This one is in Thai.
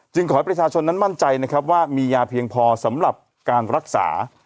ขอให้ประชาชนนั้นมั่นใจนะครับว่ามียาเพียงพอสำหรับการรักษา